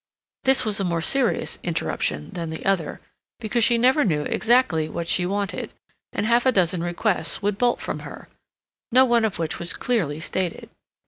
This was a more serious interruption than the other, because she never knew exactly what she wanted, and half a dozen requests would bolt from her, no one of which was clearly stated.